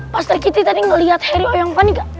pak sergiti tadi ngeliat heri oe yang funny gak